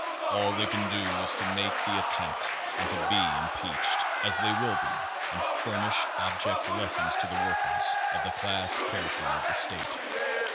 All they can do is to make the attempt, and to be impeached as they will be and furnish object lessons to the workers, of the class character of the state.